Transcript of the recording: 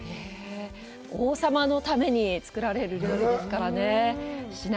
王様のために作られる料理ですからね。